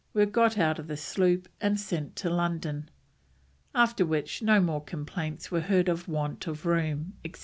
were got out of the sloop and sent to London, after which no more complaints were heard of want of room, etc."